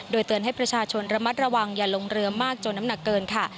โดยเตือนให้ประชาชนระมัดระวังอย่าลงเรือมากจนน้ำหนักเกินค่ะ